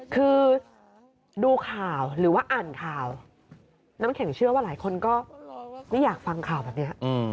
คือดูข่าวหรือว่าอ่านข่าวน้ำแข็งเชื่อว่าหลายคนก็ไม่อยากฟังข่าวแบบนี้